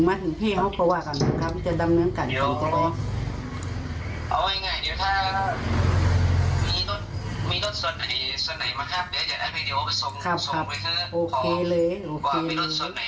มีรถสนในไหมครับจะเป็นไว้ที่ไปส้มไว้เค้